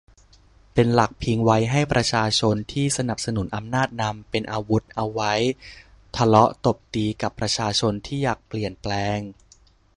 เป็นหลังพิงไว้ให้ประชาชนที่สนับสนุนอำนาจนำ เป็นอาวุธเอาไว้ทะเลาะตบตีกับประชาชนที่อยากเปลี่ยนแปลง